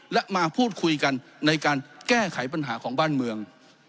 และมาพูดคุยกันในการแก้ไขปัญหาของบ้านเมือง